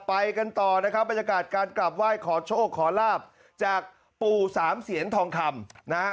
ไปกันต่อนะครับบรรยากาศการกลับไหว้ขอโชคขอลาบจากปู่สามเสียนทองคำนะฮะ